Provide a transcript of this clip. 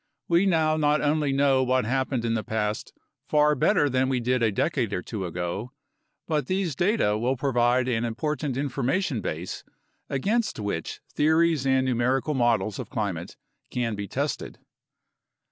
We now not only know what happened in the past far better than we did a decade or two ago, but these data will provide an important information base against which theories and numerical models of climate can be tested.